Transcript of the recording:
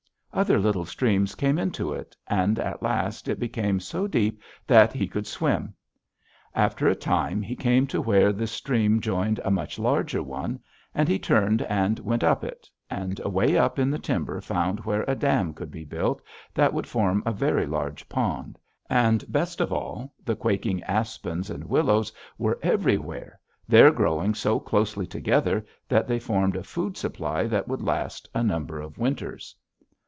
Other little streams came into it, and at last it became so deep that he could swim. After a time he came to where this stream joined a much larger one, and he turned and went up it, and away up in the timber found where a dam could be built that would form a very large pond, and best of all the quaking aspens and willows were everywhere there growing so closely together that they formed a food supply that would last a number of winters.